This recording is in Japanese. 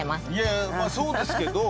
まあそうですけど。